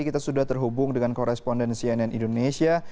kita sudah terhubung dengan koresponden cnn indonesia